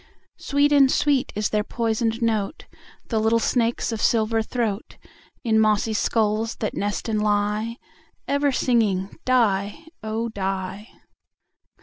Sweet and sweet is their poisoned note, The little snakes' of silver throat, In mossy skulls that nest and lie, Ever singing "die, oh! die."